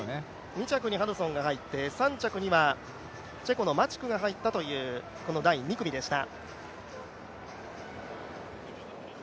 ２着にハドソンが入って３着にチェコの選手が入ったというこの第２組でした。